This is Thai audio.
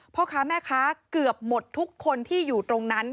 พ่อค้าแม่ค้าเกือบหมดทุกคนที่อยู่ตรงนั้น